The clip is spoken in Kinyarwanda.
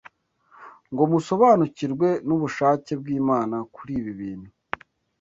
ngo musobanukirwe n’ubushake bw’Imana kuri ibi bintu?